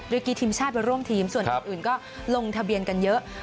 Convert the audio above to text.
กีทีมชาติไปร่วมทีมส่วนอื่นก็ลงทะเบียนกันเยอะ